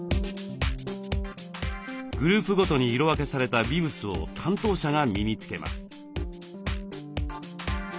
グループごとに色分けされたビブスを担当者が身につけます。